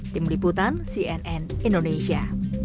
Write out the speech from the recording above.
tim liputan cnn indonesia